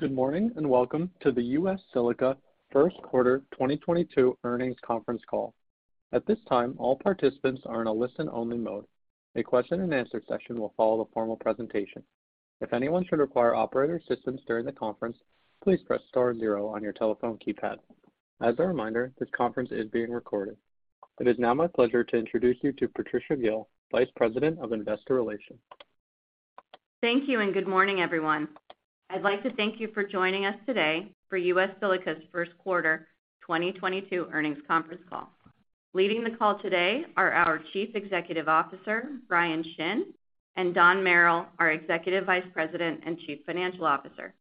Good morning, and welcome to the U.S. Silica first quarter 2022 earnings conference call. At this time, all participants are in a listen-only mode. A question and answer session will follow the formal presentation. If anyone should require operator assistance during the conference, please press star zero on your telephone keypad. As a reminder, this conference is being recorded. It is now my pleasure to introduce you to Patricia Gil, Vice President of Investor Relations. Thank you, and good morning, everyone. I'd like to thank you for joining us today for U.S. Silica's first-quarter 2022 earnings conference call. Leading the call today are our Chief Executive Officer, Bryan Shinn, and Don Merril, our Executive Vice President and Chief Financial Officer.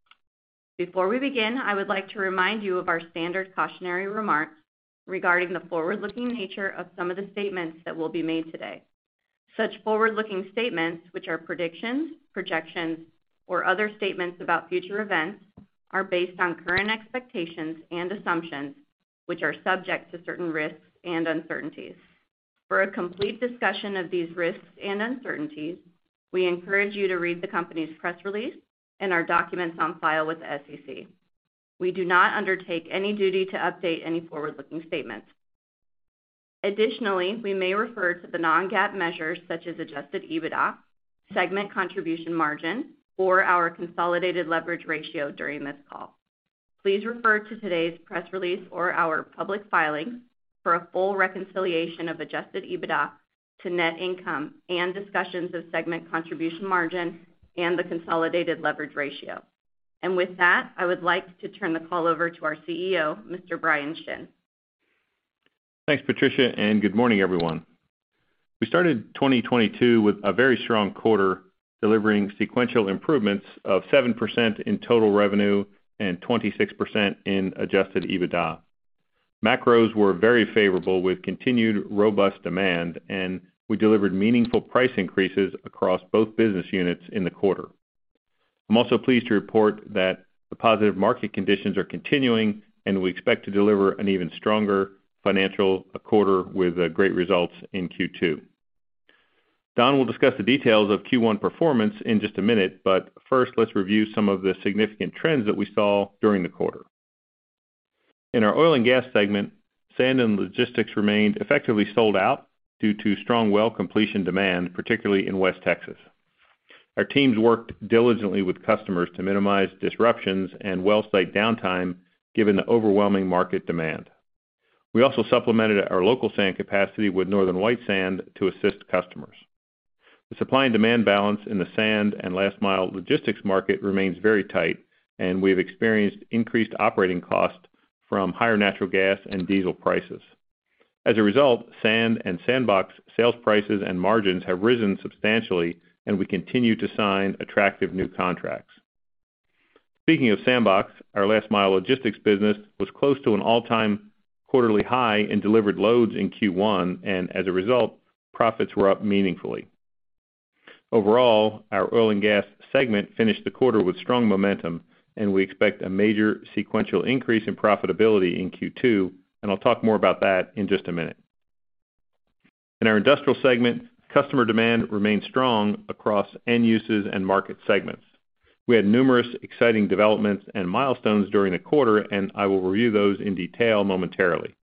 Before we begin, I would like to remind you of our standard cautionary remarks regarding the forward-looking nature of some of the statements that will be made today. Such forward-looking statements, which are predictions, projections, or other statements about future events, are based on current expectations and assumptions, which are subject to certain risks and uncertainties. For a complete discussion of these risks and uncertainties, we encourage you to read the company's press release and our documents on file with the SEC. We do not undertake any duty to update any forward-looking statements. Additionally, we may refer to the non-GAAP measures such as Adjusted EBITDA, segment contribution margin, or our consolidated leverage ratio during this call. Please refer to today's press release or our public filings for a full reconciliation of Adjusted EBITDA to net income and discussions of segment contribution margin and the consolidated leverage ratio. With that, I would like to turn the call over to our CEO, Mr. Bryan Shinn. Thanks, Patricia, and good morning, everyone. We started 2022 with a very strong quarter, delivering sequential improvements of 7% in total revenue and 26% in Adjusted EBITDA. Macros were very favorable with continued robust demand, and we delivered meaningful price increases across both business units in the quarter. I'm also pleased to report that the positive market conditions are continuing, and we expect to deliver an even stronger financial quarter with great results in Q2. Don will discuss the details of Q1 performance in just a minute, but first, let's review some of the significant trends that we saw during the quarter. In our oil and gas segment, sand and logistics remained effectively sold out due to strong well completion demand, particularly in West Texas. Our teams worked diligently with customers to minimize disruptions and well site downtime given the overwhelming market demand. We also supplemented our local sand capacity with Northern White sand to assist customers. The supply and demand balance in the sand and last mile logistics market remains very tight, and we've experienced increased operating costs from higher natural gas and diesel prices. As a result, sand and SandBox sales prices and margins have risen substantially, and we continue to sign attractive new contracts. Speaking of SandBox, our last mile logistics business was close to an all-time quarterly high and delivered loads in Q1, and as a result, profits were up meaningfully. Overall, our oil and gas segment finished the quarter with strong momentum, and we expect a major sequential increase in profitability in Q2, and I'll talk more about that in just a minute. In our industrial segment, customer demand remained strong across end uses and market segments. We had numerous exciting developments and milestones during the quarter, and I will review those in detail momentarily.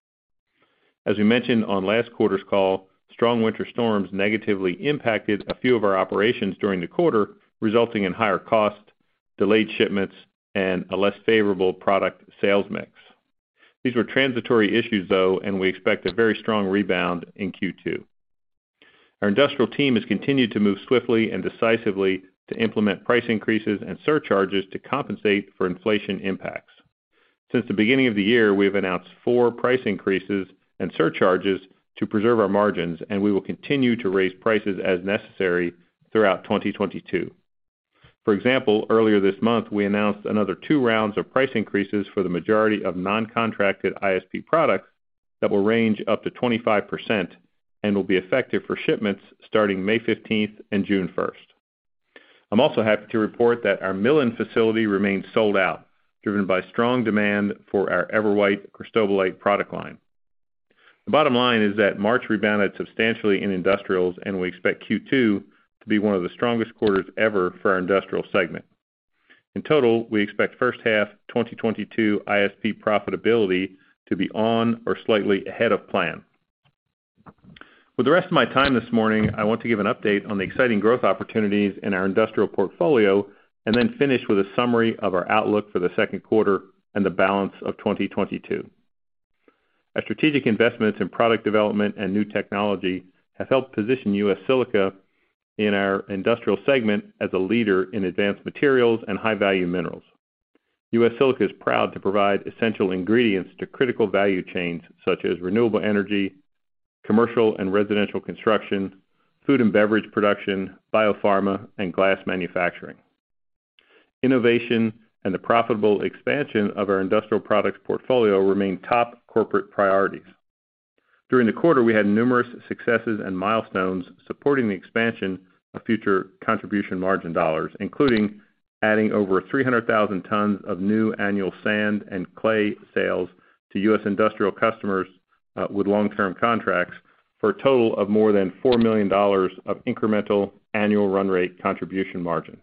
As we mentioned on last quarter's call, strong winter storms negatively impacted a few of our operations during the quarter, resulting in higher cost, delayed shipments, and a less favorable product sales mix. These were transitory issues, though, and we expect a very strong rebound in Q2. Our industrial team has continued to move swiftly and decisively to implement price increases and surcharges to compensate for inflation impacts. Since the beginning of the year, we have announced four price increases and surcharges to preserve our margins, and we will continue to raise prices as necessary throughout 2022. For example, earlier this month, we announced another two rounds of price increases for the majority of non-contracted ISP products that will range up to 25% and will be effective for shipments starting May15th and June 1st. I'm also happy to report that our milling facility remains sold out, driven by strong demand for our EverWhite cristobalite product line. The bottom line is that March rebounded substantially in industrials, and we expect Q2 to be one of the strongest quarters ever for our industrial segment. In total, we expect first half 2022 ISP profitability to be on or slightly ahead of plan. With the rest of my time this morning, I want to give an update on the exciting growth opportunities in our industrial portfolio and then finish with a summary of our outlook for the second quarter and the balance of 2022. Our strategic investments in product development and new technology have helped position U.S. Silica in our industrial segment as a leader in advanced materials and high-value minerals. U.S. Silica is proud to provide essential ingredients to critical value chains such as renewable energy, commercial and residential construction, food and beverage production, biopharma, and glass manufacturing. Innovation and the profitable expansion of our industrial products portfolio remain top corporate priorities. During the quarter, we had numerous successes and milestones supporting the expansion of future contribution margin dollars, including adding over 300,000 tons of new annual sand and clay sales to U.S. industrial customers with long-term contracts for a total of more than $4 million of incremental annual run rate contribution margin,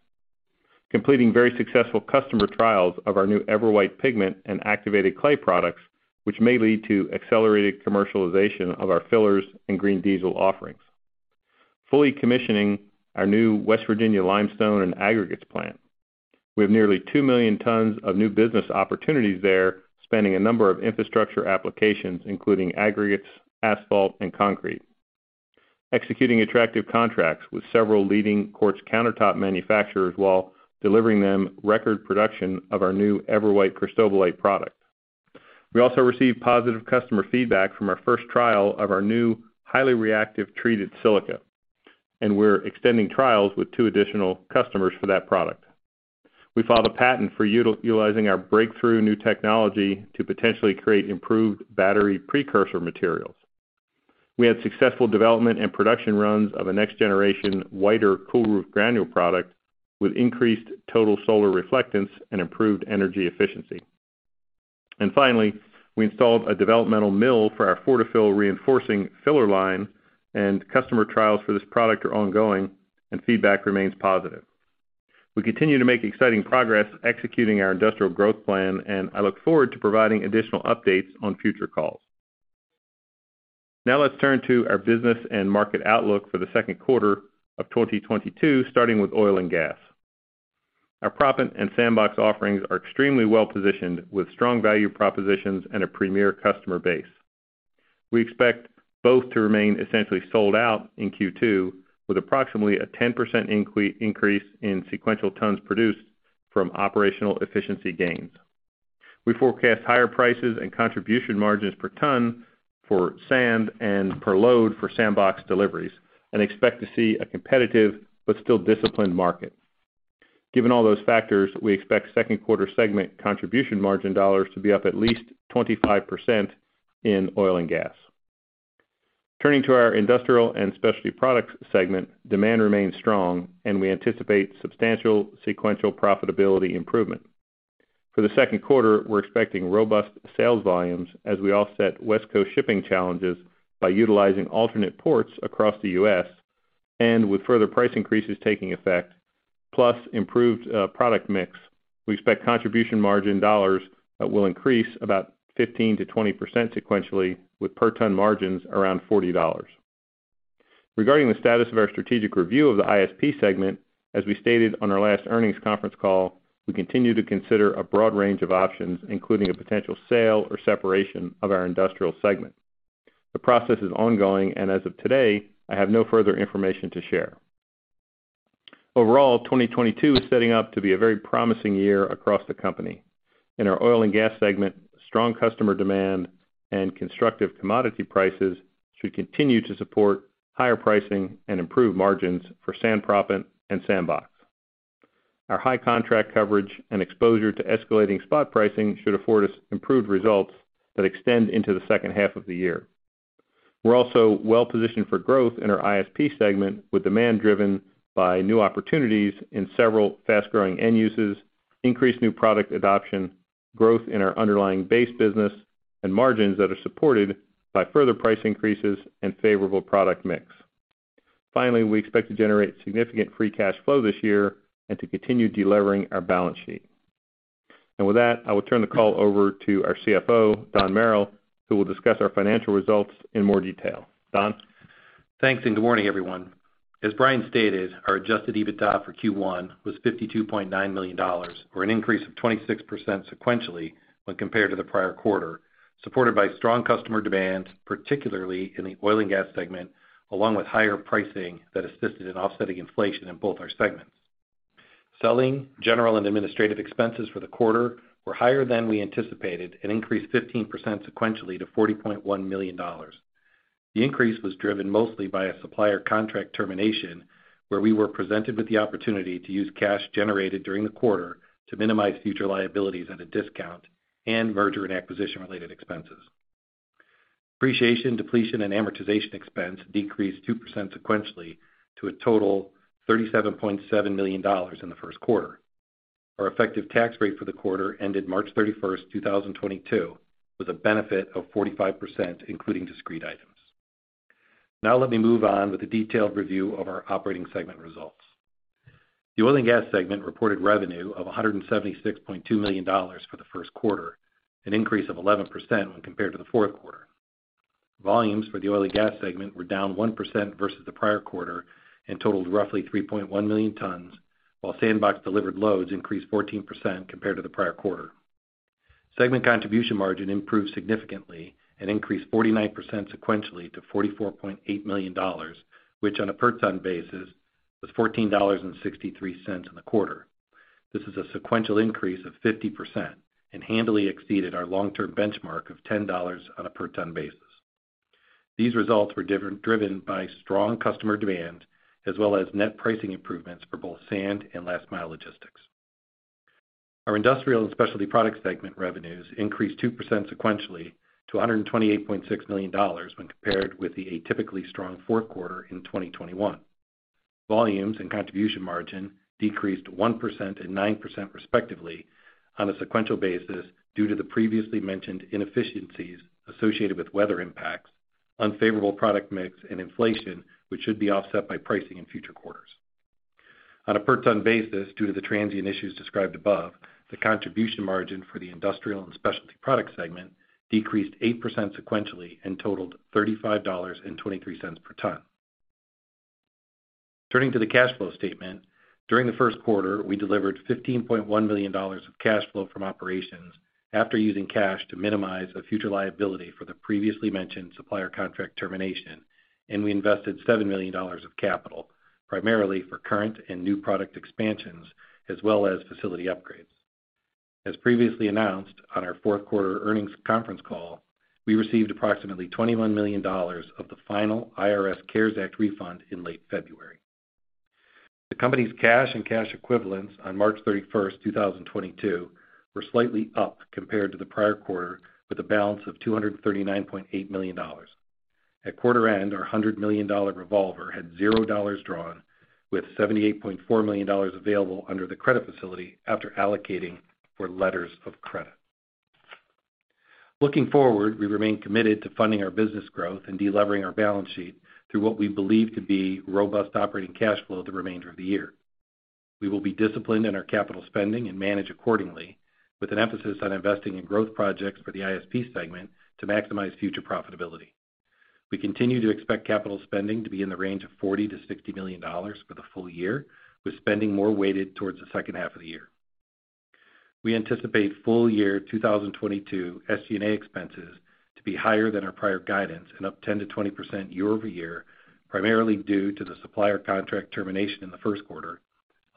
completing very successful customer trials of our new EverWhite pigment and activated clay products, which may lead to accelerated commercialization of our fillers and green diesel offerings. Fully commissioning our new West Virginia limestone and aggregates plant. We have nearly 2 million tons of new business opportunities there, spanning a number of infrastructure applications, including aggregates, asphalt, and concrete. Executing attractive contracts with several leading quartz countertop manufacturers while delivering them record production of our new EverWhite Cristobalite product. We also received positive customer feedback from our first trial of our new highly reactive treated silica, and we're extending trials with two additional customers for that product. We filed a patent for utilizing our breakthrough new technology to potentially create improved battery precursor materials. We had successful development and production runs of a next generation Whiter cool roof granule product with increased total solar reflectance and improved energy efficiency. Finally, we installed a developmental mill for our FortiFill reinforcing filler line, and customer trials for this product are ongoing, and feedback remains positive. We continue to make exciting progress executing our industrial growth plan, and I look forward to providing additional updates on future calls. Now let's turn to our business and market outlook for the second quarter of 2022, starting with oil and gas. Our proppant and SandBox offerings are extremely well-positioned with strong value propositions and a premier customer base. We expect both to remain essentially sold out in Q2 with approximately a 10% increase in sequential tons produced from operational efficiency gains. We forecast higher prices and contribution margins per ton for sand and per load for SandBox deliveries and expect to see a competitive but still disciplined market. Given all those factors, we expect second quarter segment contribution margin dollars to be up at least 25% in oil and gas. Turning to our industrial and specialty products segment, demand remains strong, and we anticipate substantial sequential profitability improvement. For the second quarter, we're expecting robust sales volumes as we offset West Coast shipping challenges by utilizing alternate ports across the U.S. and with further price increases taking effect. Plus improved product mix. We expect contribution margin dollars that will increase about 15%-20% sequentially with per ton margins around $40. Regarding the status of our strategic review of the ISP segment, as we stated on our last earnings conference call, we continue to consider a broad range of options, including a potential sale or separation of our industrial segment. The process is ongoing, and as of today, I have no further information to share. Overall, 2022 is setting up to be a very promising year across the company. In our oil and gas segment, strong customer demand and constructive commodity prices should continue to support higher pricing and improved margins for sand proppant and SandBox. Our high contract coverage and exposure to escalating spot pricing should afford us improved results that extend into the second half of the year. We're also well-positioned for growth in our ISP segment, with demand driven by new opportunities in several fast-growing end uses, increased new product adoption, growth in our underlying base business, and margins that are supported by further price increases and favorable product mix. Finally, we expect to generate significant free cash flow this year and to continue delevering our balance sheet. With that, I will turn the call over to our CFO, Don Merril, who will discuss our financial results in more detail. Don? Thanks, and good morning, everyone. As Bryan stated, our Adjusted EBITDA for Q1 was $52.9 million, or an increase of 26% sequentially when compared to the prior quarter, supported by strong customer demand, particularly in the oil and gas segment, along with higher pricing that assisted in offsetting inflation in both our segments. Selling, general, and administrative expenses for the quarter were higher than we anticipated and increased 15% sequentially to $40.1 million. The increase was driven mostly by a supplier contract termination, where we were presented with the opportunity to use cash generated during the quarter to minimize future liabilities at a discount and merger and acquisition related expenses. Depreciation, depletion, and amortization expense decreased 2% sequentially to a total $37.7 million in the first quarter. Our effective tax rate for the quarter ended March 31st, 2022, with a benefit of 45%, including discrete items. Now let me move on with a detailed review of our operating segment results. The oil and gas segment reported revenue of $176.2 million for the first quarter, an increase of 11% when compared to the fourth quarter. Volumes for the oil and gas segment were down 1% versus the prior quarter and totaled roughly 3.1 million tons, while Sandbox delivered loads increased 14% compared to the prior quarter. Segment contribution margin improved significantly and increased 49% sequentially to $44.8 million, which on a per ton basis was $14.63 in the quarter. This is a sequential increase of 50% and handily exceeded our long-term benchmark of $10 on a per ton basis. These results were driven by strong customer demand as well as net pricing improvements for both sand and last mile logistics. Our industrial and specialty product segment revenues increased 2% sequentially to $128.6 million when compared with the atypically strong fourth quarter in 2021. Volumes and contribution margin decreased 1% and 9% respectively on a sequential basis due to the previously mentioned inefficiencies associated with weather impacts, unfavorable product mix, and inflation, which should be offset by pricing in future quarters. On a per ton basis, due to the transient issues described above, the contribution margin for the industrial and specialty products segment decreased 8% sequentially and totaled $35.23 per ton. Turning to the cash flow statement. During the first quarter, we delivered $15.1 million of cash flow from operations after using cash to minimize the future liability for the previously mentioned supplier contract termination, and we invested $7 million of capital, primarily for current and new product expansions as well as facility upgrades. As previously announced on our fourth quarter earnings conference call, we received approximately $21 million of the final IRS CARES Act refund in late February. The company's cash and cash equivalents on March 31st, 2022 were slightly up compared to the prior quarter, with a balance of $239.8 million. At quarter end, our $100 million revolver had $0 drawn, with $78.4 million available under the credit facility after allocating for letters of credit. Looking forward, we remain committed to funding our business growth and de-levering our balance sheet through what we believe to be robust operating cash flow the remainder of the year. We will be disciplined in our capital spending and manage accordingly, with an emphasis on investing in growth projects for the ISP segment to maximize future profitability. We continue to expect capital spending to be in the range of $40 million-$60 million for the full year, with spending more weighted towards the second half of the year. We anticipate full year 2022 SG&A expenses to be higher than our prior guidance and up 10%-20% year-over-year, primarily due to the supplier contract termination in the first quarter,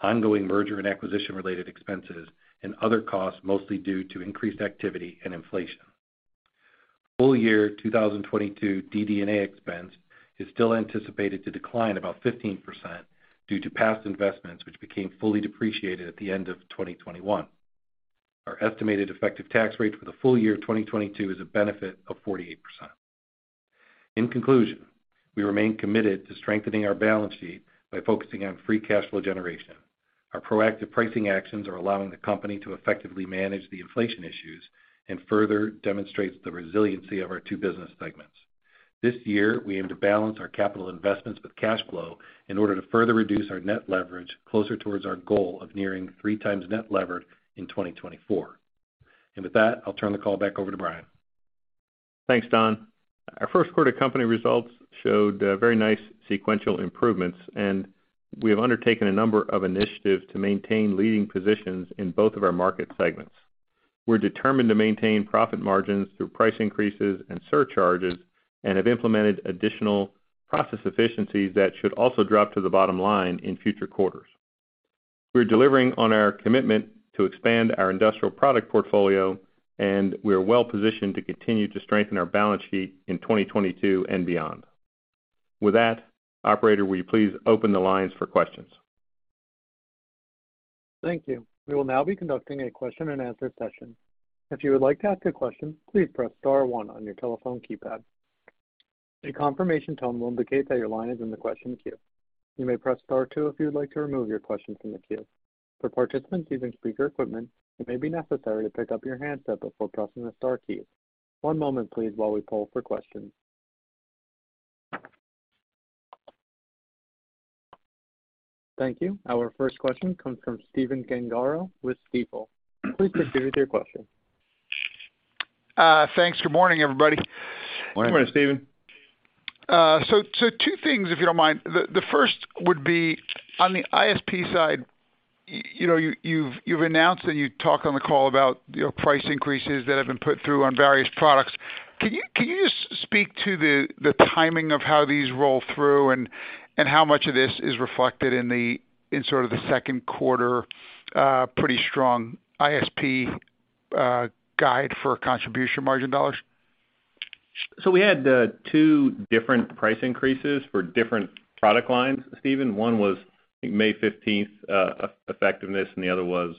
ongoing merger and acquisition-related expenses, and other costs, mostly due to increased activity and inflation. Full year 2022 DD&A expense is still anticipated to decline about 15% due to past investments, which became fully depreciated at the end of 2021. Our estimated effective tax rate for the full year 2022 is a benefit of 48%. In conclusion, we remain committed to strengthening our balance sheet by focusing on free cash flow generation. Our proactive pricing actions are allowing the company to effectively manage the inflation issues and further demonstrates the resiliency of our two business segments. This year, we aim to balance our capital investments with cash flow in order to further reduce our net leverage closer towards our goal of nearing 3x net leverage in 2024. With that, I'll turn the call back over to Bryan. Thanks, Don. Our first quarter company results showed very nice sequential improvements, and we have undertaken a number of initiatives to maintain leading positions in both of our market segments. We're determined to maintain profit margins through price increases and surcharges and have implemented additional process efficiencies that should also drop to the bottom line in future quarters. We're delivering on our commitment to expand our industrial product portfolio, and we are well positioned to continue to strengthen our balance sheet in 2022 and beyond. With that, operator, will you please open the lines for questions? Thank you. We will now be conducting a question and answer session. If you would like to ask a question, please press star one on your telephone keypad. A confirmation tone will indicate that your line is in the question queue. You may press star two if you would like to remove your question from the queue. For participants using speaker equipment, it may be necessary to pick up your handset before pressing the star key. One moment please while we poll for questions. Thank you. Our first question comes from Stephen Gengaro with Stifel. Please proceed with your question. Thanks. Good morning, everybody. Good morning, Stephen. Two things, if you don't mind. The first would be on the ISP side, you know, you've announced and you talked on the call about, you know, price increases that have been put through on various products. Can you just speak to the timing of how these roll through and how much of this is reflected in sort of the second quarter, pretty strong ISP guide for contribution margin dollars? We had two different price increases for different product lines, Stephen. One was May 15th effective and the other was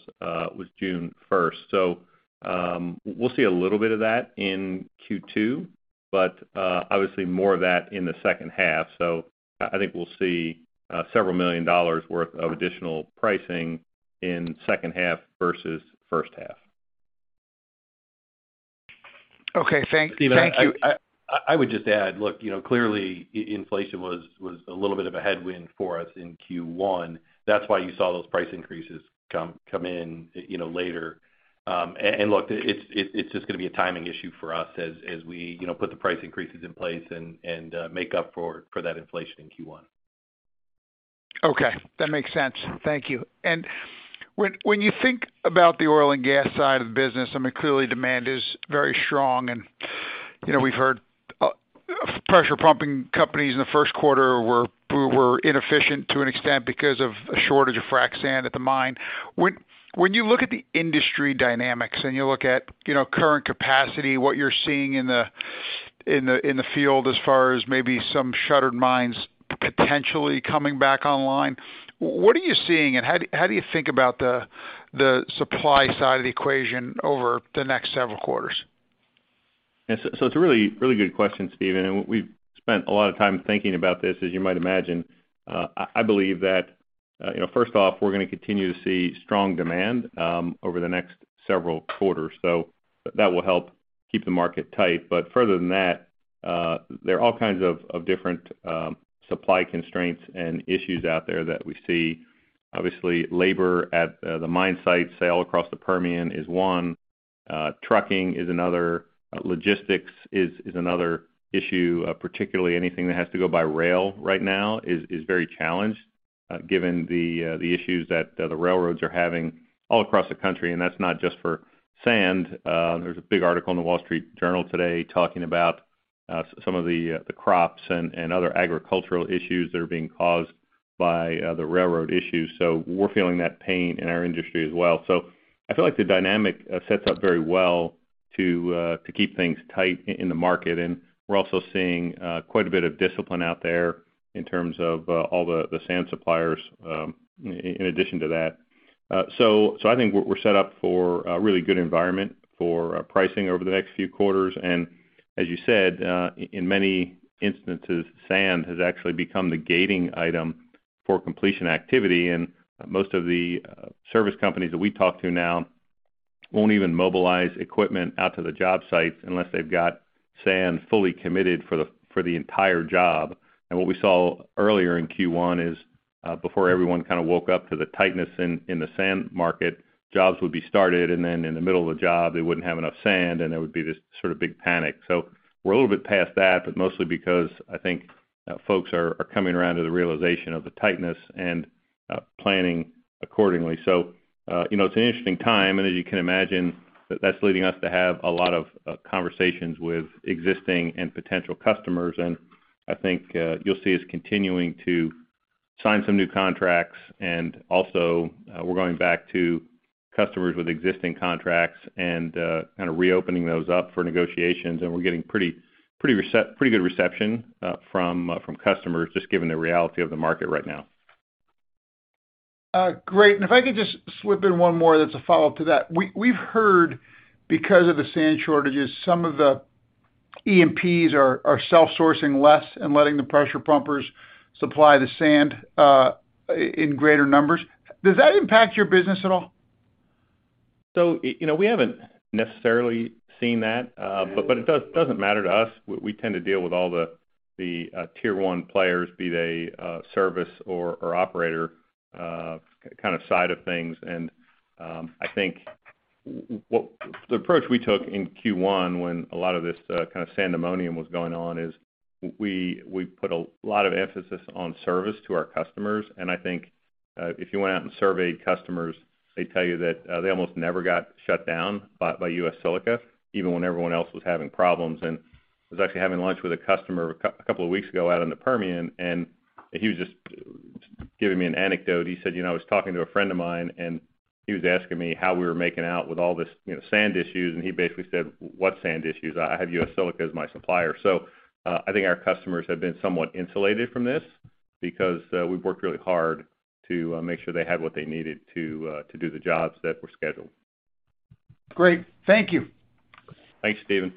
June first. We'll see a little bit of that in Q2, but obviously more of that in the second half. I think we'll see several million dollars worth of additional pricing in second half versus first half. Okay, thank you. Stephen, I would just add, look, you know, clearly inflation was a little bit of a headwind for us in Q1. That's why you saw those price increases come in, you know, later. Look, it's just gonna be a timing issue for us as we, you know, put the price increases in place and make up for that inflation in Q1. Okay, that makes sense. Thank you. When you think about the oil and gas side of the business, I mean, clearly demand is very strong. You know, we've heard pressure pumping companies in the first quarter were inefficient to an extent because of a shortage of frac sand at the mine. When you look at the industry dynamics and you look at, you know, current capacity, what you're seeing in the field as far as maybe some shuttered mines potentially coming back online, what are you seeing and how do you think about the supply side of the equation over the next several quarters? It's a really, really good question, Stephen. We've spent a lot of time thinking about this, as you might imagine. I believe that, you know, first off, we're gonna continue to see strong demand over the next several quarters. That will help keep the market tight. Further than that, there are all kinds of different supply constraints and issues out there that we see. Obviously, labor at the mine site, say all across the Permian is one. Trucking is another. Logistics is another issue. Particularly anything that has to go by rail right now is very challenged, given the issues that the railroads are having all across the country, and that's not just for sand. There's a big article in the Wall Street Journal today talking about some of the crops and other agricultural issues that are being caused by the railroad issues. We're feeling that pain in our industry as well. I feel like the dynamic sets up very well to keep things tight in the market. We're also seeing quite a bit of discipline out there in terms of all the sand suppliers in addition to that. I think we're set up for a really good environment for pricing over the next few quarters. As you said, in many instances, sand has actually become the gating item for completion activity. Most of the service companies that we talk to now won't even mobilize equipment out to the job site unless they've got sand fully committed for the entire job. What we saw earlier in Q1 is, before everyone kind of woke up to the tightness in the sand market, jobs would be started, and then in the middle of the job, they wouldn't have enough sand, and there would be this sort of big panic. We're a little bit past that, but mostly because I think, folks are coming around to the realization of the tightness and planning accordingly. You know, it's an interesting time. As you can imagine, that's leading us to have a lot of conversations with existing and potential customers. I think you'll see us continuing to sign some new contracts. Also, we're going back to customers with existing contracts and kind of reopening those up for negotiations. We're getting pretty good reception from customers, just given the reality of the market right now. If I could just slip in one more that's a follow-up to that. We've heard because of the sand shortages, some of the E&Ps are self-sourcing less and letting the pressure pumpers supply the sand, in greater numbers. Does that impact your business at all? You know, we haven't necessarily seen that. But it doesn't matter to us. We tend to deal with all the tier 1 players, be they service or operator kind of side of things. I think what the approach we took in Q1 when a lot of this kind of Sandemonium was going on is we put a lot of emphasis on service to our customers. I think if you went out and surveyed customers, they'd tell you that they almost never got shut down by U.S. Silica, even when everyone else was having problems. I was actually having lunch with a customer a couple of weeks ago out in the Permian, and he was just giving me an anecdote. He said, "You know, I was talking to a friend of mine, and he was asking me how we were making out with all this, you know, sand issues." He basically said, "What sand issues? I have U.S. Silica as my supplier." I think our customers have been somewhat insulated from this because we've worked really hard to make sure they had what they needed to do the jobs that were scheduled. Great. Thank you. Thanks, Stephen.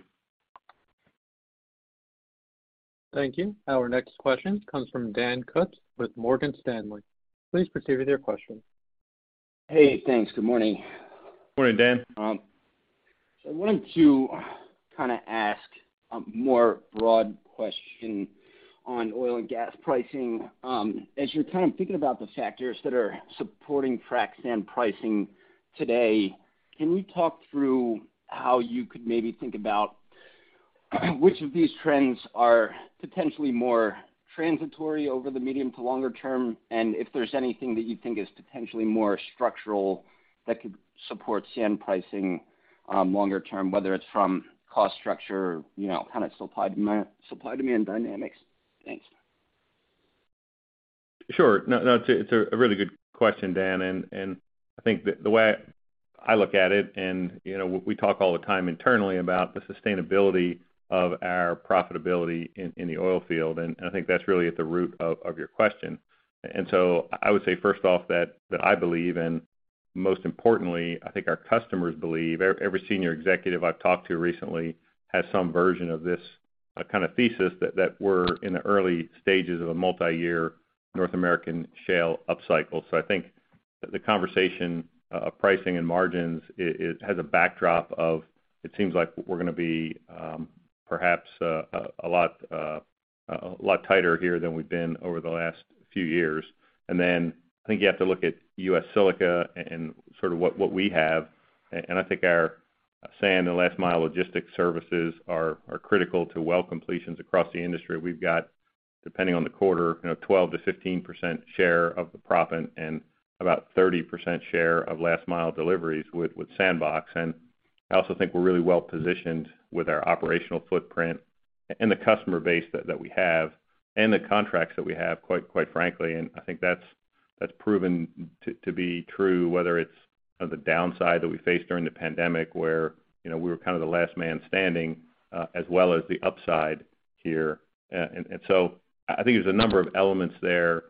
Thank you. Our next question comes from Dan Kutz with Morgan Stanley. Please proceed with your question. Hey, thanks. Good morning. Morning, Dan. I wanted to kind of ask a more broad question on oil and gas pricing. As you're kind of thinking about the factors that are supporting frac sand pricing today, can we talk through how you could maybe think about which of these trends are potentially more transitory over the medium to longer term, and if there's anything that you think is potentially more structural that could support sand pricing, longer term, whether it's from cost structure, you know, kind of supply-demand dynamics? Thanks. Sure. No, it's a really good question, Dan. I think the way I look at it and, you know, we talk all the time internally about the sustainability of our profitability in the oilfield, and I think that's really at the root of your question. I would say, first off, that I believe, and most importantly, I think our customers believe, every senior executive I've talked to recently has some version of this kind of thesis that we're in the early stages of a multi-year North American shale upcycle. I think the conversation of pricing and margins it has a backdrop of, it seems like we're gonna be perhaps a lot tighter here than we've been over the last few years. Then I think you have to look at U.S. Silica and sort of what we have. I think our sand and last mile logistics services are critical to well completions across the industry. We've got, depending on the quarter, you know, 12%-15% share of the proppant and about 30% share of last mile deliveries with SandBox. I also think we're really well-positioned with our operational footprint and the customer base that we have and the contracts that we have, quite frankly. I think that's proven to be true, whether it's on the downside that we faced during the pandemic, where, you know, we were kind of the last man standing, as well as the upside here. I think there's a number of elements there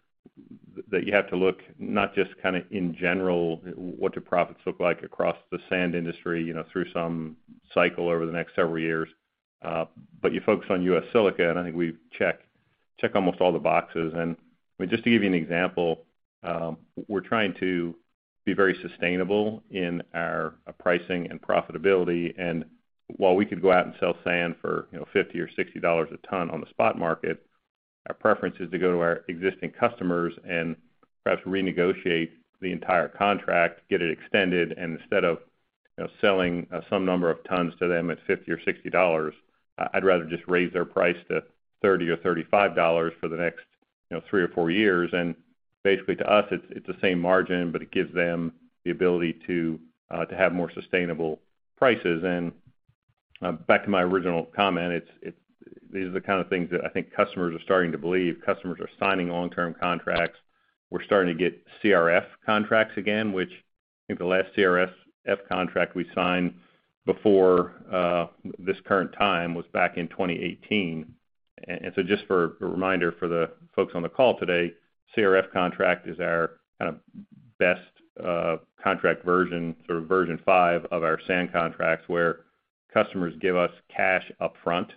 that you have to look not just kinda in general, what do profits look like across the sand industry, you know, through some cycle over the next several years, but you focus on U.S. Silica, and I think we check almost all the boxes. Just to give you an example, we're trying to be very sustainable in our pricing and profitability. While we could go out and sell sand for, you know, $50 or $60 a ton on the spot market, our preference is to go to our existing customers and perhaps renegotiate the entire contract, get it extended, and instead of, you know, selling some number of tons to them at $50 or $60, I'd rather just raise their price to $30 or $35 for the next, you know, three years or four years. Basically, to us, it's the same margin, but it gives them the ability to have more sustainable prices. Back to my original comment, these are the kind of things that I think customers are starting to believe. Customers are signing long-term contracts. We're starting to get CRF contracts again, which I think the last CRF contract we signed before this current time was back in 2018. Just for a reminder for the folks on the call today, CRF contract is our kind of best contract version, sort of version 5 of our sand contracts, where customers give us cash upfront,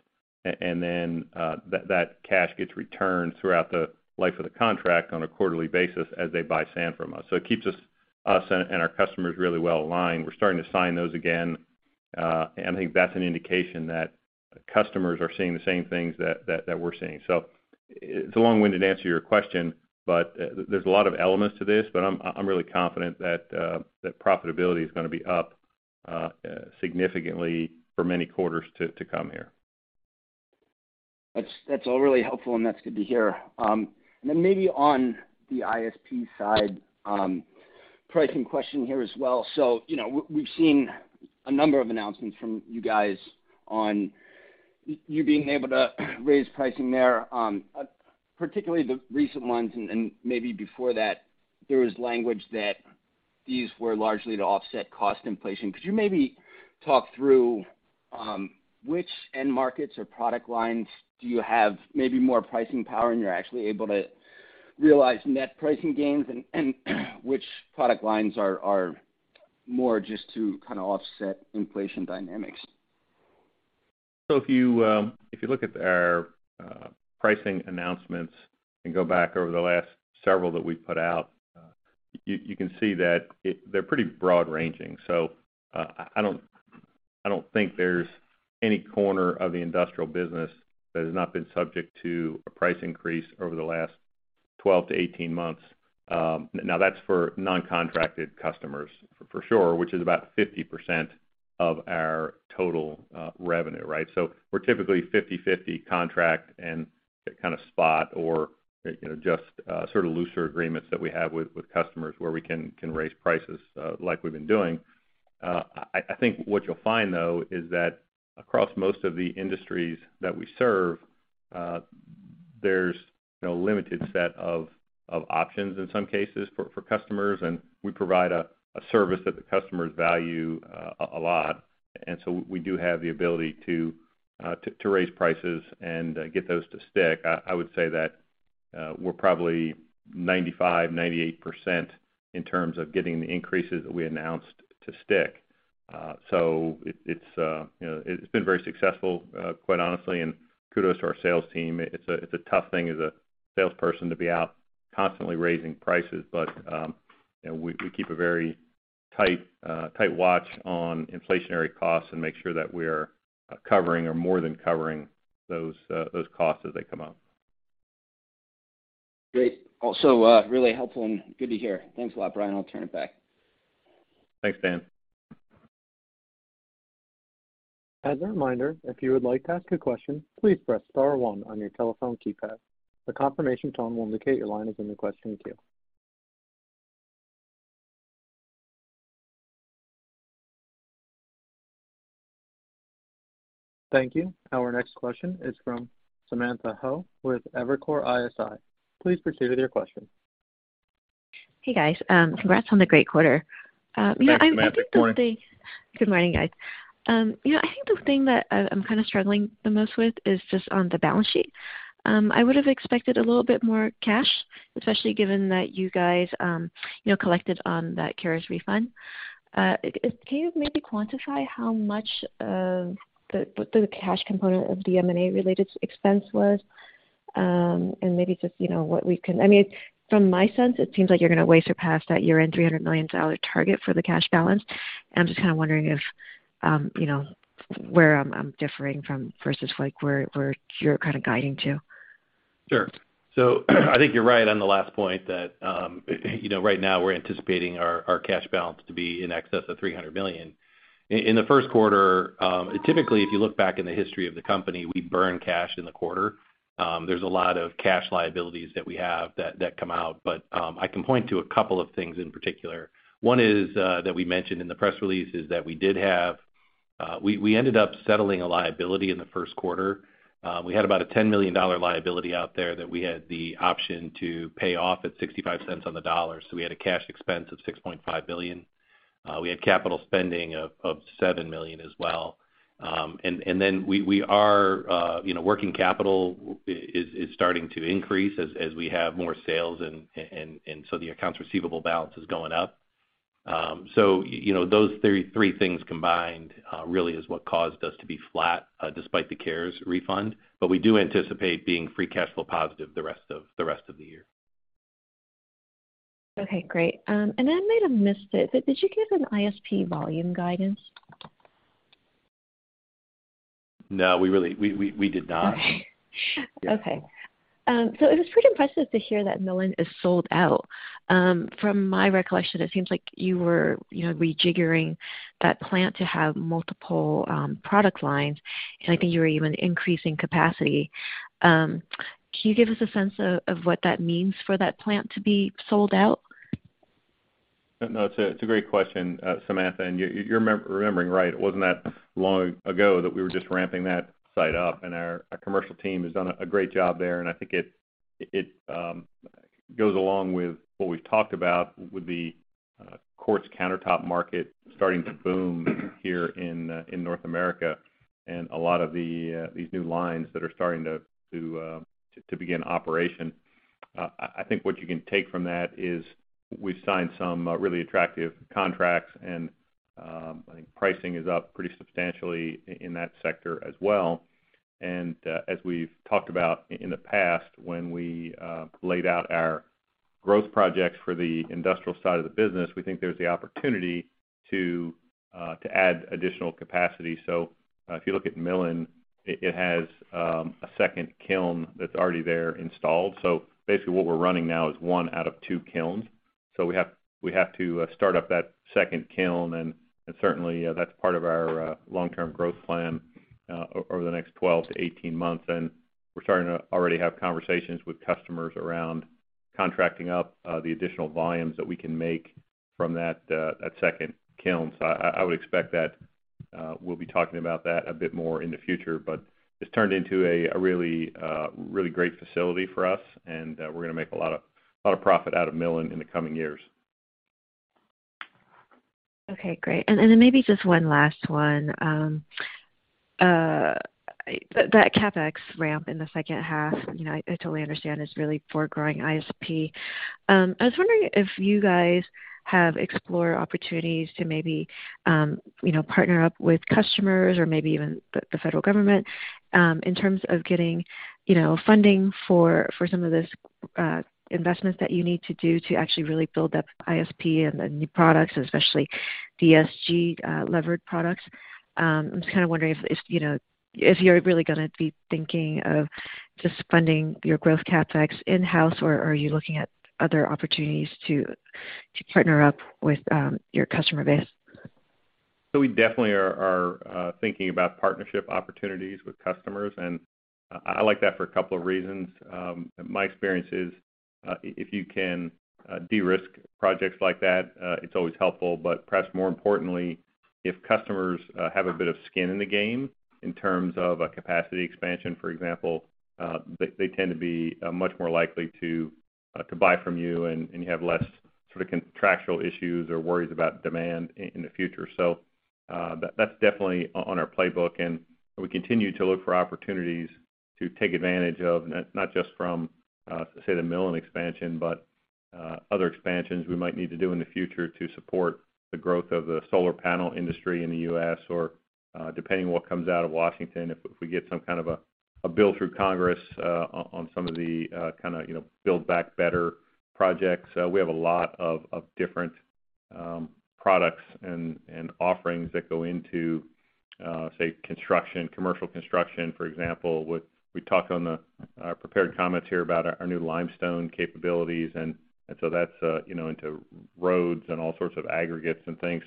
and then that cash gets returned throughout the life of the contract on a quarterly basis as they buy sand from us. It keeps us and our customers really well aligned. We're starting to sign those again, and I think that's an indication that customers are seeing the same things that we're seeing. It's a long-winded answer to your question, but there's a lot of elements to this, but I'm really confident that profitability is gonna be up significantly for many quarters to come here. That's all really helpful, and that's good to hear. Maybe on the ISP side, pricing question here as well. You know, we've seen a number of announcements from you guys on you being able to raise pricing there. Particularly the recent ones, and maybe before that, there was language that these were largely to offset cost inflation. Could you maybe talk through which end markets or product lines do you have maybe more pricing power and you're actually able to realize net pricing gains, and which product lines are more just to kinda offset inflation dynamics? If you look at our pricing announcements and go back over the last several that we put out, you can see that they're pretty broad ranging. I don't think there's any corner of the industrial business that has not been subject to a price increase over the last 12 months-18 months. Now that's for non-contracted customers, for sure, which is about 50% of our total revenue, right? We're typically 50/50 contract and kind of spot or, you know, just sort of looser agreements that we have with customers where we can raise prices like we've been doing. I think what you'll find, though, is that across most of the industries that we serve, there's a limited set of options in some cases for customers, and we provide a service that the customers value a lot. We do have the ability to raise prices and get those to stick. I would say that we're probably 95%-98% in terms of getting the increases that we announced to stick. It's you know, it's been very successful, quite honestly, and kudos to our sales team. It's a tough thing as a salesperson to be out constantly raising prices. You know, we keep a very tight watch on inflationary costs and make sure that we're covering or more than covering those costs as they come up. Great. Also, really helpful and good to hear. Thanks a lot, Bryan. I'll turn it back. Thanks, Dan. As a reminder, if you would like to ask a question, please press star one on your telephone keypad. The confirmation tone will indicate your line is in the question queue. Thank you. Our next question is from Samantha Hoh with Evercore ISI. Please proceed with your question. Hey, guys. Congrats on the great quarter. Thanks, Samantha. Good morning. Good morning, guys. You know, I think the thing that I'm kinda struggling the most with is just on the balance sheet. I would have expected a little bit more cash, especially given that you guys, you know, collected on that CARES refund. Can you maybe quantify how much of what the cash component of the M&A-related expense was? And maybe just, you know, what we can. I mean, from my sense, it seems like you're gonna way surpass that year-end $300 million target for the cash balance. I'm just kinda wondering if, you know, where I'm differing from versus like, where you're kind of guiding to. Sure. I think you're right on the last point that, you know, right now we're anticipating our cash balance to be in excess of $300 million. In the first quarter, typically, if you look back in the history of the company, we burn cash in the quarter. There's a lot of cash liabilities that we have that come out. I can point to a couple of things in particular. One is that we mentioned in the press release is that we did have we ended up settling a liability in the first quarter. We had about a $10 million liability out there that we had the option to pay off at $0.65 on the dollar. We had a cash expense of $6.5 billion. We had capital spending of $7 million as well. We are, you know, working capital is starting to increase as we have more sales and so the accounts receivable balance is going up. You know, those three things combined really is what caused us to be flat despite the CARES refund. We do anticipate being free cash flow positive the rest of the year. Okay, great. I might have missed it, but did you give an ISP volume guidance? No, we did not. Okay. It was pretty impressive to hear that Millen is sold out. From my recollection, it seems like you were, you know, rejiggering that plant to have multiple product lines, and I think you were even increasing capacity. Can you give us a sense of what that means for that plant to be sold out? No, it's a great question, Samantha, and you're remembering right. It wasn't that long ago that we were just ramping that site up, and our commercial team has done a great job there. I think it goes along with what we've talked about with the quartz countertop market starting to boom here in North America, and a lot of these new lines that are starting to begin operation. I think what you can take from that is we've signed some really attractive contracts and I think pricing is up pretty substantially in that sector as well. As we've talked about in the past, when we laid out our growth projects for the industrial side of the business, we think there's the opportunity to add additional capacity. If you look at Millen, it has a second kiln that's already there installed. Basically what we're running now is one out of two kilns. We have to start up that second kiln. Certainly, that's part of our long-term growth plan over the next 12 months-18 months. We're starting to already have conversations with customers around contracting up the additional volumes that we can make from that second kiln. I would expect that we'll be talking about that a bit more in the future. It's turned into a really great facility for us, and we're gonna make a lot of profit out of Millen in the coming years. Okay, great. Maybe just one last one. That CapEx ramp in the second half, you know, I totally understand is really for growing ISP. I was wondering if you guys have explored opportunities to maybe, you know, partner up with customers or maybe even the federal government, in terms of getting, you know, funding for some of this investments that you need to do to actually really build up ISP and the new products, especially ESG levered products. I'm just kind of wondering if you know, if you're really gonna be thinking of just funding your growth CapEx in-house, or are you looking at other opportunities to partner up with your customer base? We definitely are thinking about partnership opportunities with customers, and I like that for a couple of reasons. My experience is, if you can de-risk projects like that, it's always helpful. But perhaps more importantly, if customers have a bit of skin in the game in terms of a capacity expansion, for example, they tend to be much more likely to buy from you and you have less sort of contractual issues or worries about demand in the future. That's definitely on our playbook, and we continue to look for opportunities to take advantage of, not just from, say, the Millen expansion, but other expansions we might need to do in the future to support the growth of the solar panel industry in the U.S. or, depending on what comes out of Washington, if we get some kind of a bill through Congress, on some of the, kinda, you know, Build Back Better projects. We have a lot of different products and offerings that go into, say, construction, commercial construction, for example. We talked on the prepared comments here about our new limestone capabilities, and so that's, you know, into roads and all sorts of aggregates and things.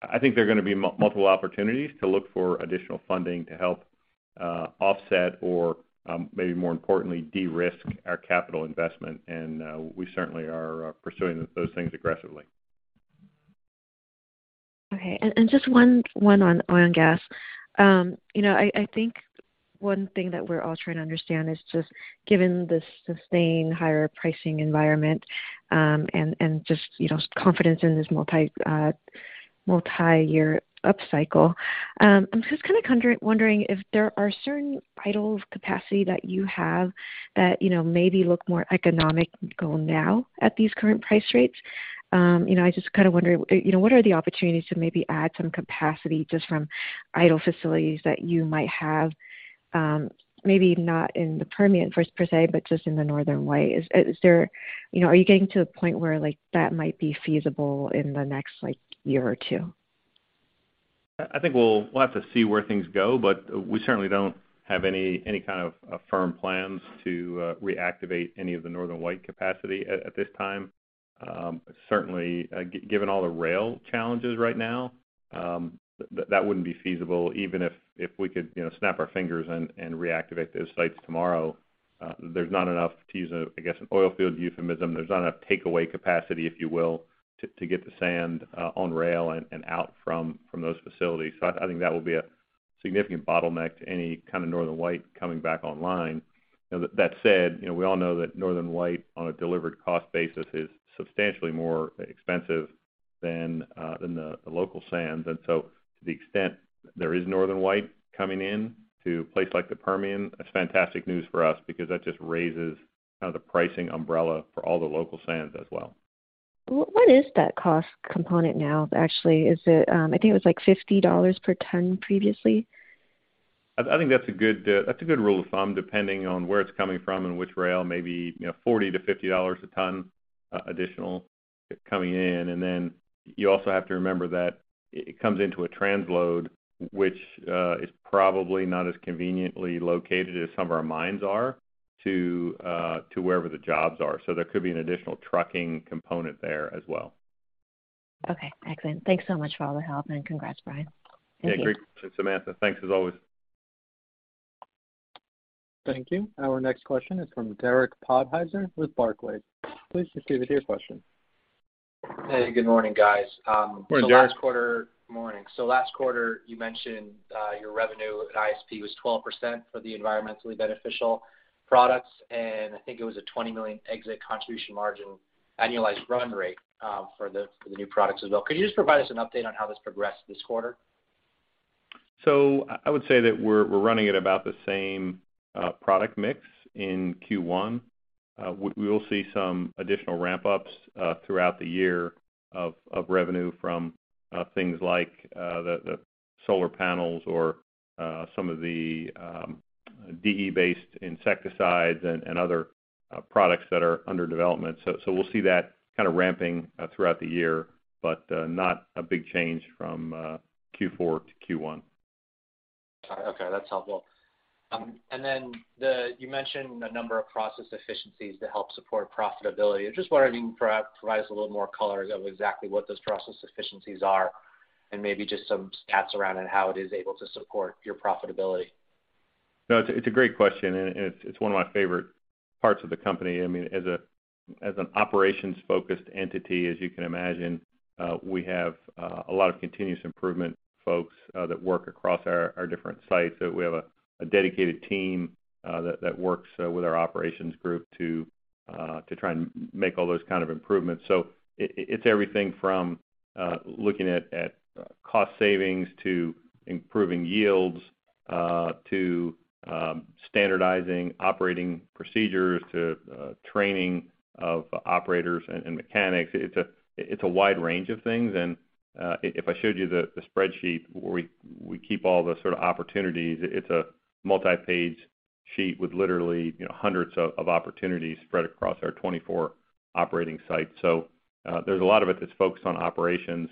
I think there are gonna be multiple opportunities to look for additional funding to help offset or, maybe more importantly, de-risk our capital investment. We certainly are pursuing those things aggressively. Just one on oil and gas. You know, I think one thing that we're all trying to understand is just given the sustained higher pricing environment, and just, you know, confidence in this multi-year upcycle. I'm just kind of wondering if there are certain idle capacity that you have that, you know, maybe look more economical now at these current price rates. You know, I just kind of wonder, you know, what are the opportunities to maybe add some capacity just from idle facilities that you might have, maybe not in the Permian per se, but just in the Northern White. Is there... You know, are you getting to a point where, like, that might be feasible in the next, like, year or two? I think we'll have to see where things go, but we certainly don't have any kind of firm plans to reactivate any of the Northern White capacity at this time. Certainly, given all the rail challenges right now, that wouldn't be feasible, even if we could, you know, snap our fingers and reactivate those sites tomorrow. There's not enough to use, I guess, an oil field euphemism. There's not enough takeaway capacity, if you will, to get the sand on rail and out from those facilities. I think that will be a significant bottleneck to any kind of Northern White coming back online. You know, that said, you know, we all know that Northern White, on a delivered cost basis, is substantially more expensive than the local sands. To the extent there is Northern White coming in to a place like the Permian, that's fantastic news for us because that just raises kind of the pricing umbrella for all the local sands as well. What is that cost component now, actually? Is it, I think it was like $50 per ton previously. I think that's a good rule of thumb, depending on where it's coming from and which rail, maybe, you know, $40-$50 a ton additional coming in. You also have to remember that it comes into a transload, which is probably not as conveniently located as some of our mines are to wherever the jobs are. There could be an additional trucking component there as well. Okay, excellent. Thanks so much for all the help, and congrats, Bryan. Thank you. Yeah, great. Samantha, thanks as always. Thank you. Our next question is from Derrick Whitfield with Barclays. Please proceed with your question. Hey, good morning, guys. Morning, Derrick. Last quarter, you mentioned your revenue at ISP was 12% for the environmentally beneficial products, and I think it was a $20 million exit contribution margin annualized run rate for the new products as well. Could you just provide us an update on how this progressed this quarter? I would say that we're running at about the same product mix in Q1. We will see some additional ramp-ups throughout the year of revenue from things like the solar panels or some of the DE-based insecticides and other products that are under development. We'll see that kinda ramping throughout the year, but not a big change from Q4 to Q1. All right. Okay, that's helpful. You mentioned a number of process efficiencies to help support profitability. I'm just wondering if you can provide us a little more color on exactly what those process efficiencies are and maybe just some stats on how it is able to support your profitability. No, it's a great question, and it's one of my favorite parts of the company. I mean, as an operations-focused entity, as you can imagine, we have a lot of continuous improvement folks that work across our different sites that we have a dedicated team that works with our operations group to try and make all those kind of improvements. It's everything from looking at cost savings to improving yields to standardizing operating procedures to training of operators and mechanics. It's a wide range of things. If I showed you the spreadsheet where we keep all the sort of opportunities, it's a multi-page sheet with literally, you know, hundreds of opportunities spread across our 24 operating sites. There's a lot of it that's focused on operations.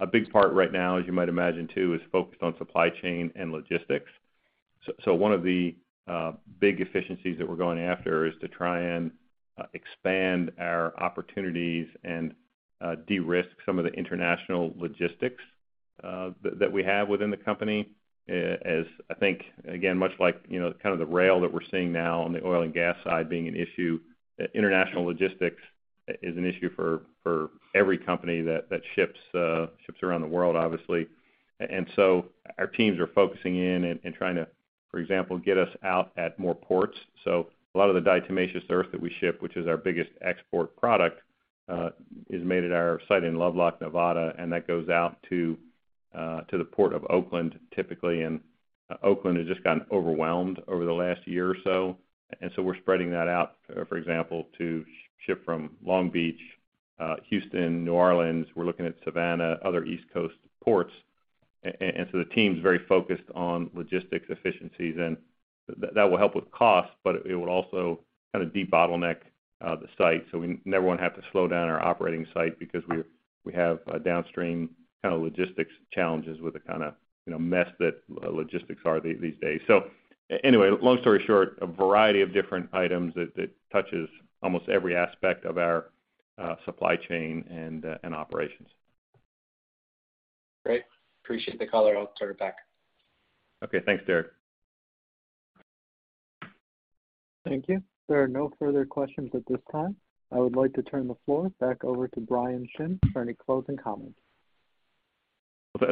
A big part right now, as you might imagine too, is focused on supply chain and logistics. One of the big efficiencies that we're going after is to try and expand our opportunities and de-risk some of the international logistics that we have within the company. As I think, again, much like, you know, kind of the rail that we're seeing now on the oil and gas side being an issue, international logistics is an issue for every company that ships around the world, obviously. Our teams are focusing in and trying to, for example, get us out at more ports. A lot of the diatomaceous earth that we ship, which is our biggest export product, is made at our site in Lovelock, Nevada, and that goes out to the Port of Oakland, typically. Oakland has just gotten overwhelmed over the last year or so. We're spreading that out, for example, to ship from Long Beach, Houston, New Orleans. We're looking at Savannah, other East Coast ports. The team's very focused on logistics efficiencies, and that will help with cost, but it will also kind of de-bottleneck the site, so we never wanna have to slow down our operating site because we have downstream kinda logistics challenges with the kinda, you know, mess that logistics are these days. Anyway, long story short, a variety of different items that touches almost every aspect of our supply chain and operations. Great. Appreciate the color. I'll turn it back. Okay. Thanks, Derrick. Thank you. There are no further questions at this time. I would like to turn the floor back over to Bryan Shinn for any closing comments.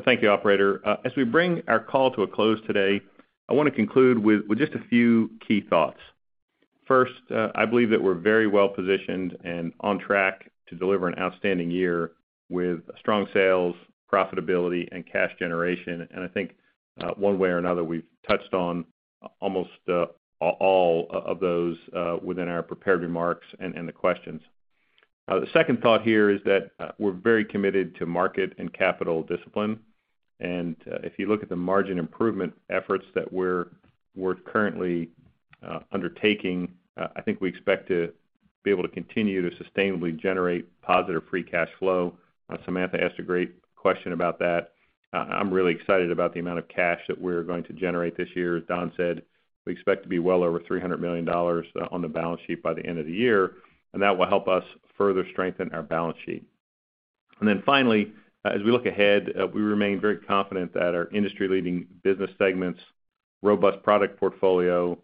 Thank you, operator. As we bring our call to a close today, I wanna conclude with just a few key thoughts. First, I believe that we're very well-positioned and on track to deliver an outstanding year with strong sales, profitability, and cash generation. I think one way or another, we've touched on almost all of those within our prepared remarks and the questions. The second thought here is that we're very committed to market and capital discipline. If you look at the margin improvement efforts that we're currently undertaking, I think we expect to be able to continue to sustainably generate positive free cash flow. Samantha asked a great question about that. I'm really excited about the amount of cash that we're going to generate this year. As Don said, we expect to be well over $300 million on the balance sheet by the end of the year, and that will help us further strengthen our balance sheet. Finally, as we look ahead, we remain very confident that our industry-leading business segments, robust product portfolio,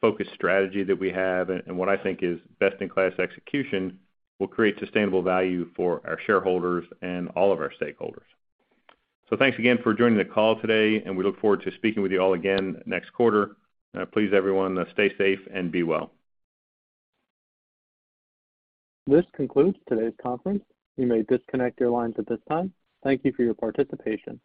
focused strategy that we have, and what I think is best-in-class execution, will create sustainable value for our shareholders and all of our stakeholders. Thanks again for joining the call today, and we look forward to speaking with you all again next quarter. Please, everyone, stay safe and be well. This concludes today's conference. You may disconnect your lines at this time. Thank you for your participation.